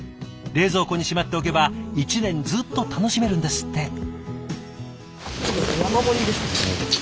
冷蔵庫にしまっておけば一年ずっと楽しめるんですって。